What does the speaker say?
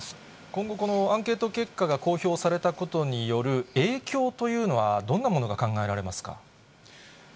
今後、アンケート結果が公表されたことによる影響というのは、どんなものが考えられますか。